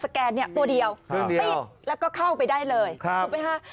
แกนเนี่ยตัวเดียวติดแล้วก็เข้าไปได้เลยถูกไหมฮะ